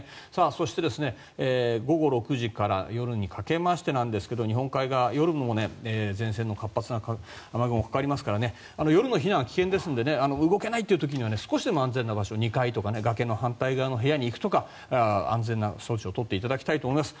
そして、午後６時から夜にかけましてですが日本海側夜も前線の活発な雨雲がかかりますから夜の避難は危険ですので動けないという時には少しでも安全な場所２階とか崖と反対の部屋に行くとか安全な措置を取っていただきたいと思います。